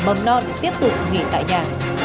trẻ mầm non tiếp tục nghỉ tại nhà